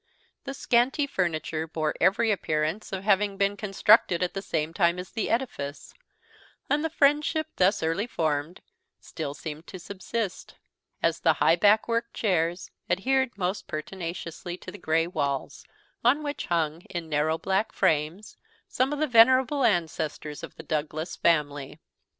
The scanty furniture bore every appearance of having been constructed at the same time as the edifice; and the friendship thus early formed still seemed to subsist, as the high backed worked chairs adhered most pertinaciously to the gray walls, on which hung, in narrow black frames, some of the venerable ancestors of the Douglas family.